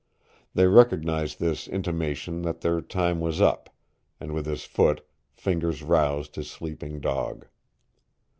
They recognized this intimation that their time was up, and with his foot Fingers roused his sleeping dog.